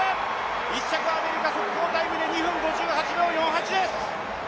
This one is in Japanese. １着アメリカ速報タイムで２分５８秒４８です。